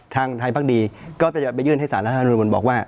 ทางไทยพักดีก็จะไปยื่นให้สารรัฐธรรมนุนบอกว่า